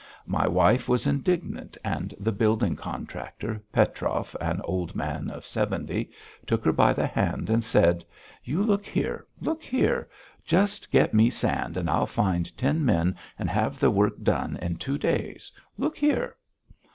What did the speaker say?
My wife was indignant and the building contractor, Petrov, an old man of seventy, took her by the hand and said: "You look here! Look here! Just get me sand and I'll find ten men and have the work done in two days. Look here!"